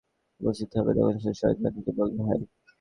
অবশেষে যখন সে আমার নিকট উপস্থিত হবে, তখন সে শয়তানকে বলবে, হায়!